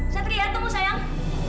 satria tunggu sayang